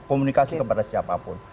komunikasi kepada siapapun